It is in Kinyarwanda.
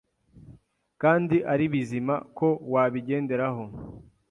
kandi ari bizima ko wabigenderaho